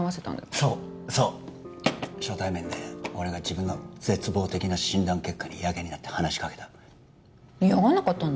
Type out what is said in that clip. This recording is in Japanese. そうそう初対面で俺が自分の絶望的な診断結果にやけになって話しかけた嫌がんなかったの？